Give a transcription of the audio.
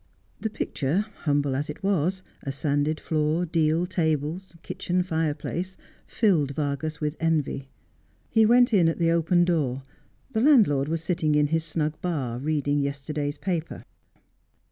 The picture, humble as it was — a sanded floor, deal tables, kitchen fireplace — filled Vargas with envy. He went in at the open door. The landlord was sitting in his snug bar, reading yesterday's paper.